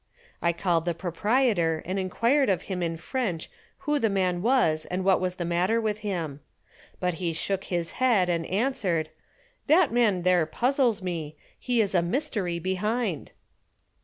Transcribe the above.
I called the proprietor and inquired of him in French who the man was and what was the matter with him. But he shook his head and answered: "That man there puzzles me. There is a mystery behind."